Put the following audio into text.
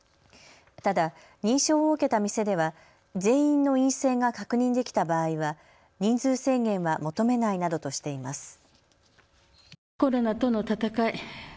ただ認証を受けた店では全員の陰性が確認できた場合は人数制限は求めないなどとしています。